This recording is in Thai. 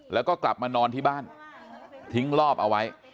แล้วก็กลับมานอนที่บ้านทิ้งรอบเอาไว้